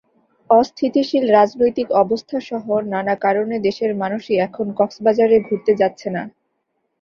অস্থিতিশীল রাজনৈতিক অবস্থাসহ নানা কারণে দেশের মানুষই এখন কক্সবাজারে ঘুরতে যাচ্ছে না।